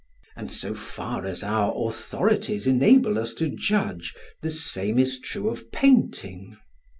And, so far as our authorities enable us to judge, the same is true of painting.